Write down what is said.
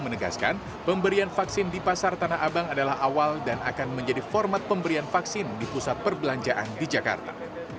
menegaskan pemberian vaksin di pasar tanah abang adalah awal dan akan menjadi format pemberian vaksin di pusat perbelanjaan di jakarta